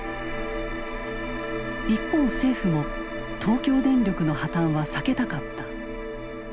一方政府も東京電力の破綻は避けたかった。